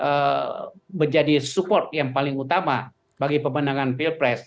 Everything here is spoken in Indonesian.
kekuatan partai ini menjadi support yang paling utama bagi pemenangan pilpres